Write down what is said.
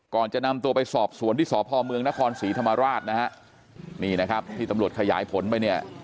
ก่อนจะนำตัวไปสอบสวนที่สพเมืองนครศรีธรรมราชนะฮะนี่นะครับที่ตำรวจขยายผลไปเนี่ย